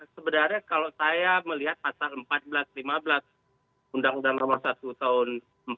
sebenarnya kalau saya melihat pasal seribu empat ratus lima belas undang undang ramadhan satu tahun empat puluh enam